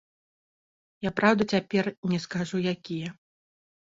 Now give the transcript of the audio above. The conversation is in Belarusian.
Я, праўда, цяпер не скажу, якія.